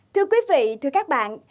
thưa quý vị thưa các bạn